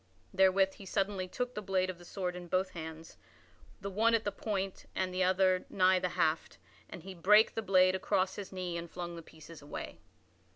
Therewith he suddenly took the blade of the sword in both hands the one at the point and the other nigh the haft and he brake the blade across his knee and flung the pieces away.